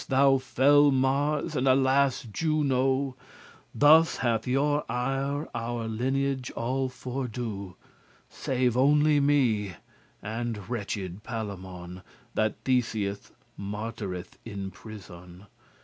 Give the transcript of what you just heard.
thou fell Mars, and alas! Juno, Thus hath your ire our lineage all fordo* *undone, ruined Save only me, and wretched Palamon, That Theseus martyreth in prison.